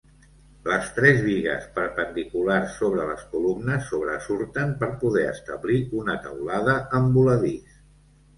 Les tres bigues perpendiculars sobre les columnes sobresurten per poder establir una teulada en voladís.